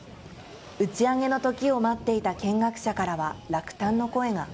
打ち上げの時を待っていた見学者からは、落胆の声が。